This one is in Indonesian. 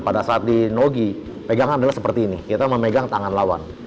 pada saat di nogi pegangan adalah seperti ini kita memegang tangan lawan